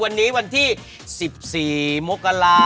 วันนี้วันเด็ก